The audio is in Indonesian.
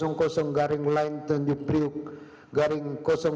garing layan tanjung priuk garing satu ratus delapan puluh enam